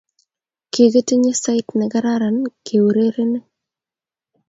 Kigitinye sait negararan keurerenye